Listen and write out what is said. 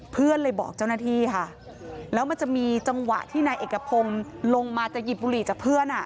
เพื่อนเลยบอกเจ้าหน้าที่ค่ะแล้วมันจะมีจังหวะที่นายเอกพงศ์ลงมาจะหยิบบุหรี่จากเพื่อนอ่ะ